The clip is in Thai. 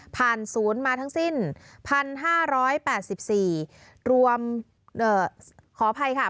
ผ่าน๐มาทั้งสิ้น๑๕๘๔รวมขออภัยขับ